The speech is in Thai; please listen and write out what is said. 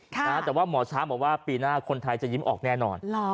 แต่ว่าหมอช้างบอกว่าปีหน้าคนไทยจะยิ้มออกแน่นอน